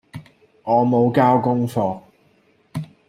我無交功課